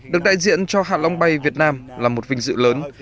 được đại diện cho hạ long bay việt nam là một vinh dự lớn